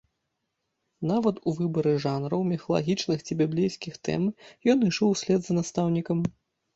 Нават у выбары жанраў, міфалагічных ці біблейскіх тэм ён ішоў услед за настаўнікам.